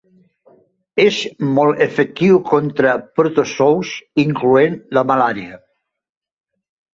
És molt efectiu contra protozous incloent la malària.